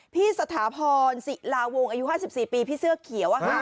พี่สถาพรศิลาวงอายุ๕๔ปีพี่เสื้อเขียว